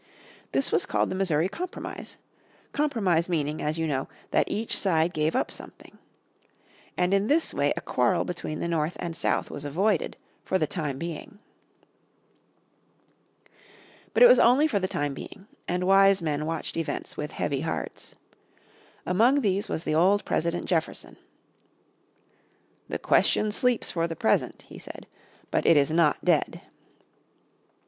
This was called the Missouri Compromise; compromise meaning, as you know, that each side gave up something. And in this way a quarrel between the North and South was avoided for the time being. But it was only for the time being, and wise men watched events with heavy hearts. Among these was the old President Jefferson. "The question sleeps for the present," he said, "but is not dead."